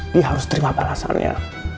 dia harus terima balasannya